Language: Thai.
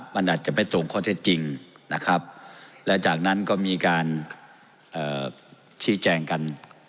มันอาจจะไม่ตรงข้อเท็จจริงนะครับและจากนั้นก็มีการชี้แจงกัน